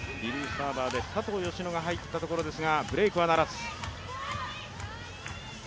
サーバーで佐藤淑乃が入ったところでブレイクはならず。